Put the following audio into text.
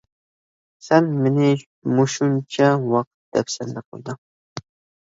سەن مېنى مۇشۇنچە ۋاقىت دەپسەندە قىلدىڭ.